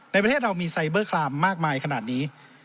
ในประเทศเรามีไซเบอร์คลามมากมายขนาดนี้